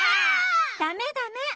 ダメダメッ！